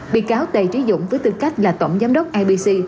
bị cáo tệ trí dũng với tư cách là tổng giám đốc ibc